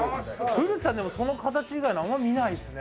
古田さんでもその形以外のあんまり見ないですね。